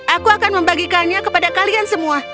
aku akan membagikannya kepada kalian semua